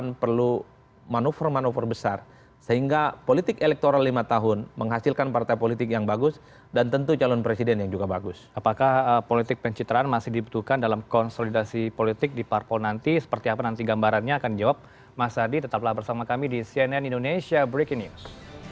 nanti jawab mas ardy pradnot tetaplah bersama kami di cnn indonesia breaking news